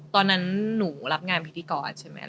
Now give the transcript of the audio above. ตอนนั้นหนูรับงานพิธีกรใช่ไหม